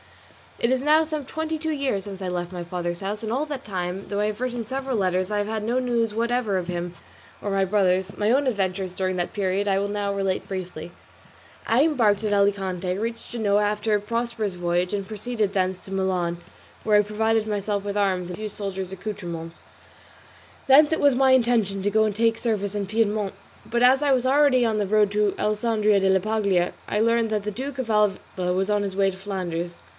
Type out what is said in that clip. It is now some twenty two years since I left my father's house, and all that time, though I have written several letters, I have had no news whatever of him or of my brothers; my own adventures during that period I will now relate briefly. I embarked at Alicante, reached Genoa after a prosperous voyage, and proceeded thence to Milan, where I provided myself with arms and a few soldier's accoutrements; thence it was my intention to go and take service in Piedmont, but as I was already on the road to Alessandria della Paglia, I learned that the great Duke of Alva was on his way to Flanders.